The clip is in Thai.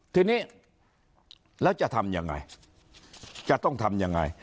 ทีนี้แล้วจะทำยังไงจะต้องทำยังไง